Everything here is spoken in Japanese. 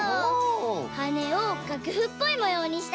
はねをがくふっぽいもようにしたよ。